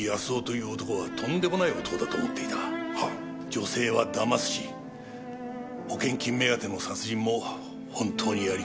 女性は騙すし保険金目当ての殺人も本当にやりかねないと。